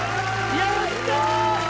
やったー！